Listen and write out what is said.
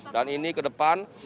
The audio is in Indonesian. dan ini ke depan